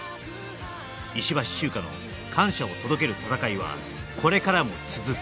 石橋チューカの感謝を届ける戦いはこれからも続く